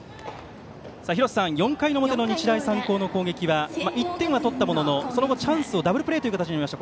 ４回の表の日大三高の攻撃は１点は取ったもののその後、チャンスをダブルプレーという形になりました。